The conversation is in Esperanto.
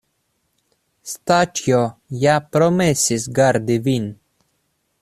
Staĉjo ja promesis gardi vin.